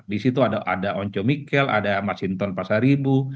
di situ ada onco mikel ada mas hinton pasaribu